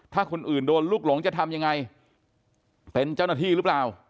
ถ้าคนอื่นโดนลูกหลงจะทำยังไงเป็นเจ้าหน้าที่หรือเปล่า